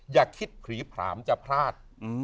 อย่าคิดผลีผลามจะพลาด